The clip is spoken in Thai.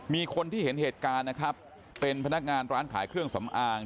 มีคนที่เห็นเหตุการณ์นะครับเป็นพนักงานร้านขายเครื่องสำอาง